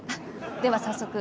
では早速。